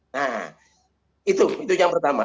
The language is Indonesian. nah itu yang pertama